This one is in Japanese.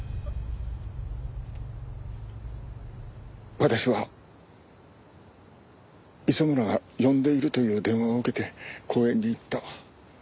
私は磯村が呼んでいるという電話を受けて公園に行った。